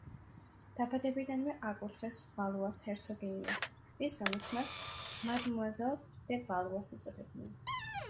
დაბადებიდანვე აკურთხეს ვალუას ჰერცოგინიად, რის გამოც მას მადმუაზელ დე ვალუას უწოდებდნენ.